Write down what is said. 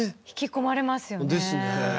引き込まれますよね。